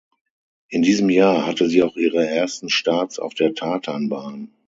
In diesem Jahr hatte sie auch ihre ersten Starts auf der Tartanbahn.